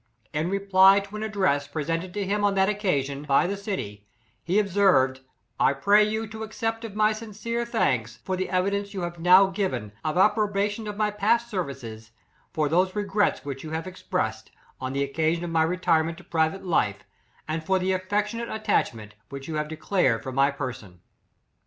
In reply to an address, presented to him on that occasion, by the city, he observed — 'I pray you to accept of my sincere thanks, for the evidence you have now giv en, of approbation of my past services; for those regrets which you have express ed, on the occasion of my retirement to private life, and for the affectionate at tachment which you have declared for my person.'